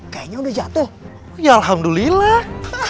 kayaknya udah jatuh ya alhamdulillah